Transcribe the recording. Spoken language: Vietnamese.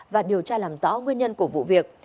và điều tra làm rõ nguyên nhân của vụ việc